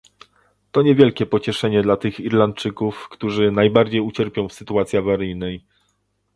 To niewielkie pocieszenie dla tych Irlandczyków, którzy najbardziej ucierpią w sytuacji awaryjnej